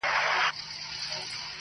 چي په قسمت کی دي ازل سهار لیکلی نه دی -